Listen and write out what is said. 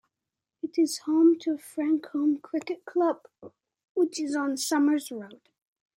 It is home to Farncombe Cricket Club which is on Summers Road.